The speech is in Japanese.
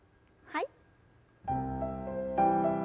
はい。